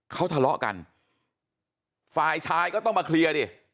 เขาทะเลาะกันฝ่ายชายก็ต้องมาเคลียร์ดิ